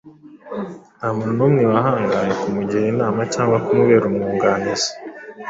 nta muntu n’umwe wahangaye kumugira inama cyangwa kumubera umwunganizi;